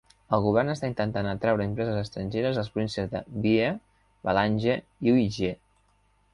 El govern està intentant atraure empreses estrangeres a les províncies de Bié, Malanje i Uíge.